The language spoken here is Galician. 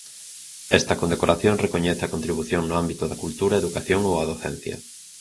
Esta condecoración recoñece a contribución no ámbito da cultura, educación ou a docencia.